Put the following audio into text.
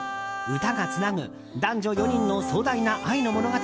歌がつなぐ男女４人の壮大な愛の物語